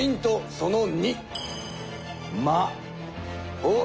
その２。